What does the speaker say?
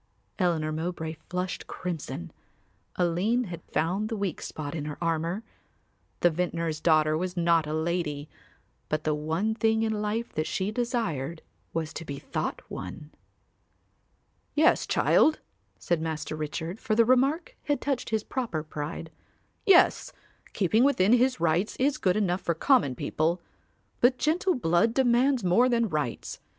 Eleanor Mowbray flushed crimson; Aline had found the weak spot in her armour. The vintner's daughter was not a lady, but the one thing in life that she desired was to be thought one. "Yes, child," said Master Richard, for the remark had touched his proper pride. "Yes, keeping within his rights is good enough for common people. But gentle blood demands more than rights.